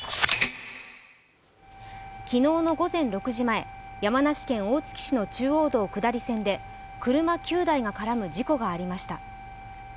昨日の午前６時前山梨県大月市の中央道下り線で車９台が絡む事故がありました。